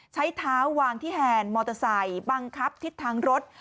ใช้เท้าวางที่แฮนด์มอเตอร์ไซค์บังคับทิศทางรถ